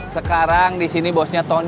sekarang di sini bosnya tony